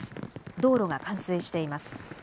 道路が冠水しています。